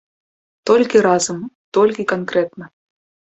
Толькі разам, толькі канкрэтна.